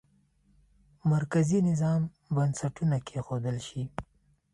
د مرکزي نظام بنسټونه کېښودل شي.